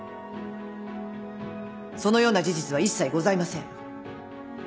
そのような事実は一切ございません。